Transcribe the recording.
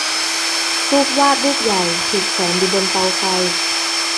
รูปวาดรูปใหญ่ถูกแขวนอยู่บนเตาไฟ